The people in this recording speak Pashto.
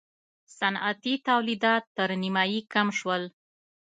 صنعتي تولیدات تر نییمایي کم شول.